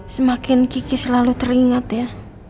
semakin kiki selalu teringat ya